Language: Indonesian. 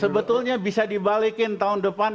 sebetulnya bisa dibalikin tahun depan